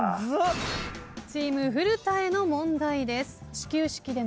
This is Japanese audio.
チーム古田への問題です。